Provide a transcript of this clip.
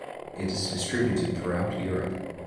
It is distributed throughout Europe.